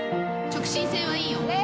直進性はいいよ。